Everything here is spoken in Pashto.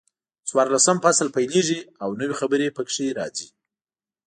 څلورلسم فصل پیلېږي او نوي خبرې پکې راځي.